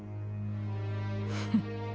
フッ。